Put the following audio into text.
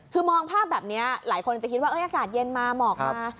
คือมองภาพแบบนี้หลายคนจะคิดว่าอากาศเย็นมาหมอกมา